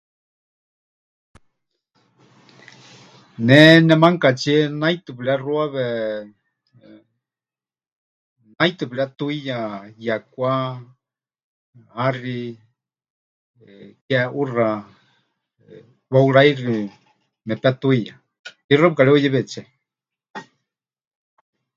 Ne nemanukatsie naitɨ pɨrexuawe, naitɨ pɨretuiya, yekwá, haxi, keʼuxa, weuráixi mepetuiya, tixaɨ pɨkareuyewetsé.